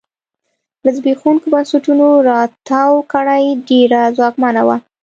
له زبېښونکو بنسټونو راتاوه کړۍ ډېره ځواکمنه وه.